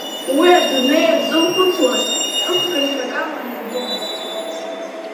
Уи адунеи иазылхәцуаз ҽыхгашьак аманы илбомызт.